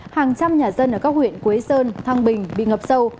hàng trăm nhà dân ở các huyện quế sơn thăng bình bị ngập sâu